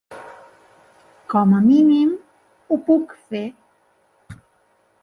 Com a mínim ho puc fer.